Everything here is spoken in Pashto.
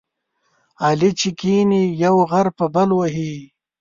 علي چې کېني، یو غر په بل وهي.